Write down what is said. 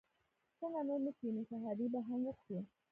څنګه نور نه کېنو؟ سهارنۍ به هم وخورو.